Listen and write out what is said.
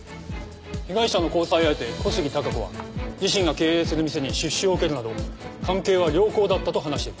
被害者の交際相手小杉貴子は自身が経営する店に出資を受けるなど関係は良好だったと話しています。